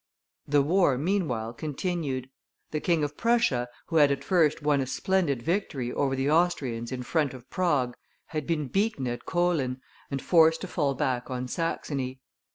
The war, meanwhile, continued; the King of Prussia, who had at first won a splendid victory over the Austrians in front of Prague, had been beaten at Kolin, and forced to fall back on Saxony.